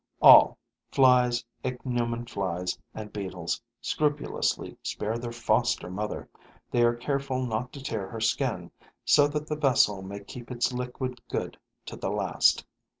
All flies, ichneumon flies and beetles scrupulously spare their foster mother; they are careful not to tear her skin, so that the vessel may keep its liquid good to the last.